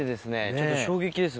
ちょっと衝撃です